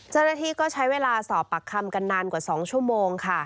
เจ้าหน้าที่ก็ใช้เวลาสอบปากคำกันนานกว่า๒ชั่วโมงค่ะ